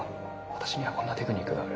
「私にはこんなテクニックがある」